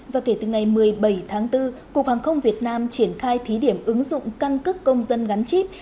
và kể từ ngày một mươi bảy tháng bốn cục hàng không việt nam triển khai thí điểm ứng dụng căn cước công dân gắn chip